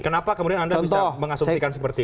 kenapa kemudian anda bisa mengasumsikan seperti itu